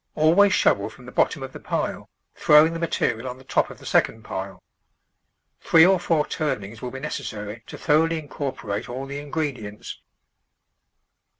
Always shovel from the bot tom of the pile, throwing the material on the top of the second pile. Three or four turnings will be necessary to thoroughly incorporate all the in gredients.